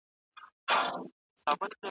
په سپین سر ململ پر سر .